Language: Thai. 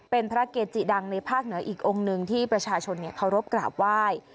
เป็นพระเกจิดังในภาคเหนืออีกองค์หนึ่งที่ประชาชนเคารพกราบไหว้